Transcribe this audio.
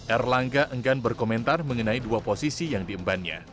air langga enggan berkomentar mengenai dua posisi yang diembannya